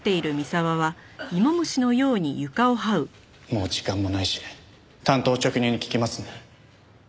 もう時間もないし単刀直入に聞きますね。